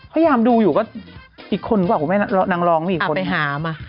พยายามดูอยู่ก็อีกคนกว่านางรองอีกคนอ่ะไปหามา